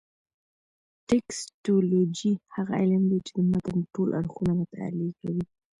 ټکسټولوجي هغه علم دﺉ، چي د متن ټول اړخونه مطالعه کوي.